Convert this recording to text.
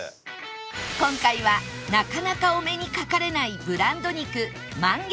今回はなかなかお目にかかれないブランド肉萬幻豚